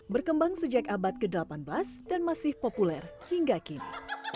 berkembang sejak abad ke delapan belas dan masih populer hingga kini